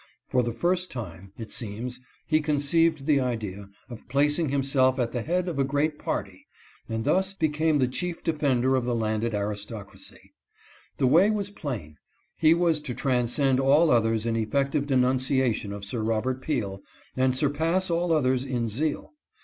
For the first time, it seems, he conceived the idea of placing himself at the head of a great party, and thus become the chief defender of the landed aristocracy. The way was plain. He was to transcend all others in effective denunciation of Sir Robert Peel, and surpass all others in zeal.